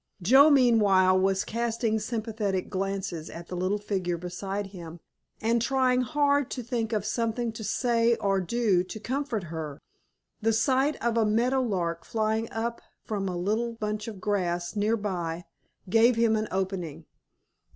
Joe meanwhile was casting sympathetic glances at the little figure beside him, and trying hard to think of something to say or do to comfort her. The sight of a meadow lark flying up from a little bunch of grass near by gave him an opening.